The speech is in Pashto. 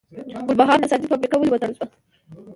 د ګلبهار نساجي فابریکه ولې وتړل شوه؟